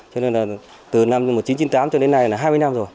cho nên là từ năm một nghìn chín trăm chín mươi tám cho đến nay là hai mươi năm rồi